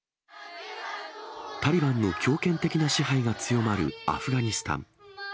タリバンの強権的な支配が強まるアフガニスタン。